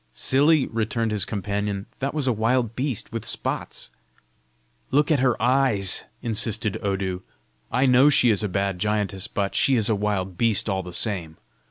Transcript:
"Silly!" returned his companion. "That was a wild beast, with spots!" "Look at her eyes!" insisted Odu. "I know she is a bad giantess, but she is a wild beast all the same.